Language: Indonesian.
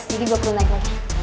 jadi gue turun aja